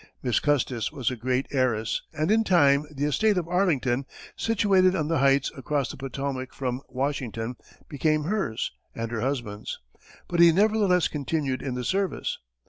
Miss Custis was a great heiress, and in time the estate of Arlington, situated on the heights across the Potomac from Washington, became hers and her husband's, but he nevertheless continued in the service.